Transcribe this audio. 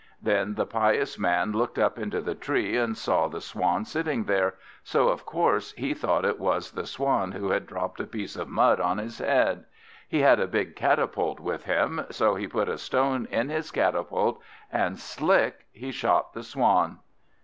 Then the pious man looked up into the tree, and saw the Swan sitting there, so of course he thought it was the Swan who had dropped a piece of mud on his head. He had a big catapult with him, so he put a stone in his catapult, and slick! he shot the Swan.